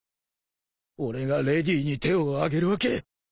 俺がレディーに手を上げるわけ。